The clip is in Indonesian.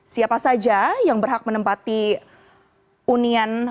siapa saja yang berhak menempati unian